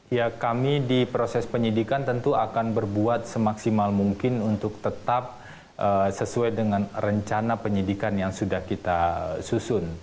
ya kami di proses penyidikan tentu akan berbuat semaksimal mungkin untuk tetap sesuai dengan rencana penyidikan yang sudah kita susun